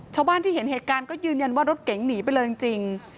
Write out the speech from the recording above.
ชาวบ้านที่เห็นเหตุการณ์ก็ยืนยันว่ารถเก๋งหนีไปเลยจริง